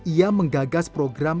ia menggagas program